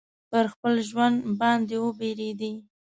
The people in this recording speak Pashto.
پر خپل ژوند باندي وبېرېدی.